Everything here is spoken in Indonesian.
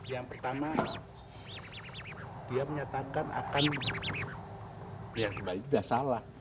yang pertama dia menyatakan akan ya sudah salah